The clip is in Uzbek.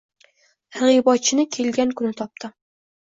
Targ‘ibotchini kelgan kuni topdim.